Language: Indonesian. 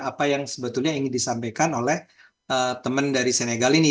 apa yang sebetulnya ingin disampaikan oleh teman dari senegal ini